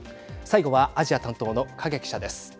最後はアジア担当の影記者です。